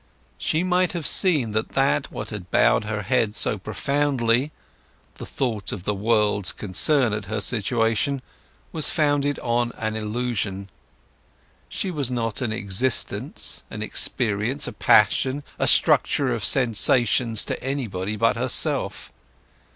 She might have seen that what had bowed her head so profoundly—the thought of the world's concern at her situation—was founded on an illusion. She was not an existence, an experience, a passion, a structure of sensations, to anybody but herself.